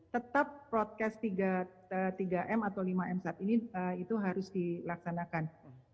tetap proadcast tiga m atau lima m saat ini itu harus dilaksanakan